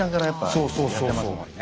そうそうそうそう。